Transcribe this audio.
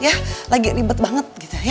ya lagi ribet banget gitu